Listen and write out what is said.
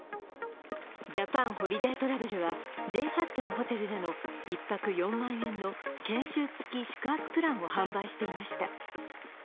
ジャパンホリデートラベルはＪＨＡＴのホテルでの１泊４万円の研修付き宿泊プランを販売していました。